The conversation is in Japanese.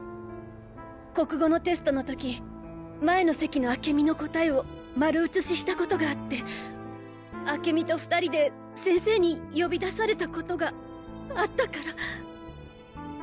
国語のテストの時前の席の明美の答えを丸写ししたことがあって明美と２人で先生に呼び出されたことがあったから。